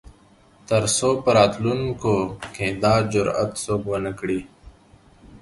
تر څو په راتلونکو کې دا جرات څوک ونه کړي.